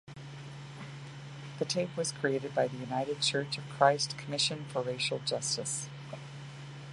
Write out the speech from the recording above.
The tape was created by the United Church of Christ Commission for Racial Justice.